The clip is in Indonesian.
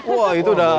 wah itu udah